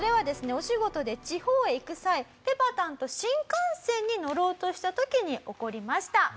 お仕事で地方へ行く際ぺぱたんと新幹線に乗ろうとした時に起こりました。